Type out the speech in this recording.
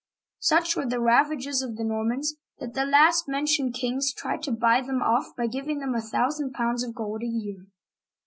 Such were the ravages of the Normans that the last mentioned kings tried to buy them off by giving them a thousand pounds of gold a year.